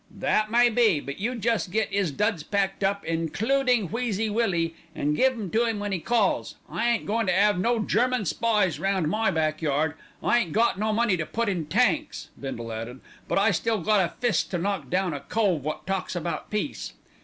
"That may be; but you jest get 'is duds packed up, includin' Wheezy Willie, an' give 'em to 'im when 'e calls. I ain't goin' to 'ave no German spies round my back yard. I ain't got no money to put in tanks," Bindle added, "but I still got a fist to knock down a cove wot talks about peace."